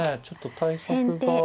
ちょっと対策が。